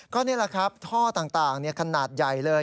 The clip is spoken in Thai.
ก็นี่แหละครับท่อต่างขนาดใหญ่เลย